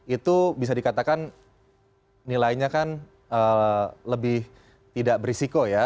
itu bisa dikatakan nilainya kan lebih tidak berisiko ya